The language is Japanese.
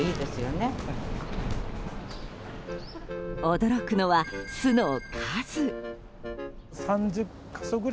驚くのは巣の数。